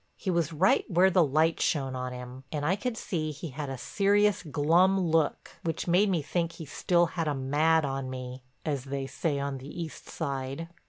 He was right where the light shone on him, and I could see he had a serious, glum look which made me think he still "had a mad on me" as they say on the east side.